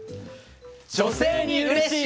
女性にうれしい！